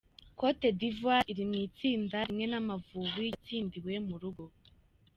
Cote d’Ivoire iri mu itsinda rimwe n’Amavubi yatsindiwe mu rugo .